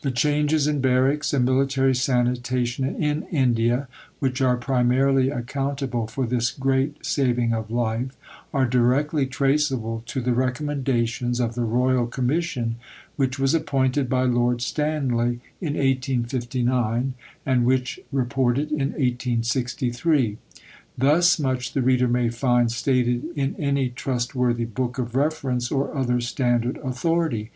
The changes in barracks and military sanitation in India, which are primarily accountable for this great saving of life, are directly traceable to the recommendations of the Royal Commission which was appointed by Lord Stanley in 1859, and which reported in 1863. Thus much the reader may find stated in any trustworthy book of reference or other standard authority.